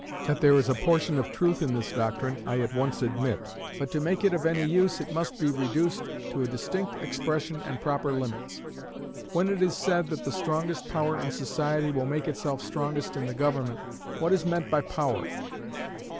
That there is a portion of truth in this doctrine I at once admit; but to make it of any use, it must be reduced to a distinct expression and proper limits. When it is said that the strongest power in society will make itself strongest in the government, what is meant by power?